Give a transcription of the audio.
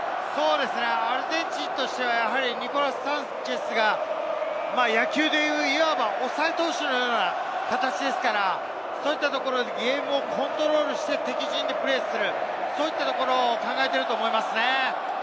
アルゼンチンとしてはニコラス・サンチェスが野球でいう、抑え投手のような形ですから、ゲームをコントロールして、敵陣でプレーする、そういったことを考えていると思いますね。